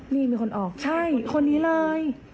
นี่มีคนออกใช่คนนี้เลย